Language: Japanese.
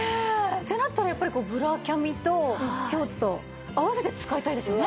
ってなったらやっぱりこうブラキャミとショーツと合わせて使いたいですよね。